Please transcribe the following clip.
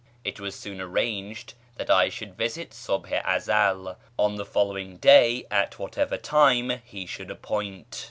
It was soon arranged that I should visit Subh i Ezel on the following day at whatever time he should appoint.